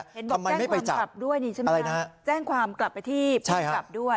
เห็นบอกแจ้งคนขับด้วยนี่ใช่ไหมคะแจ้งความกลับไปที่ภูมิกับด้วย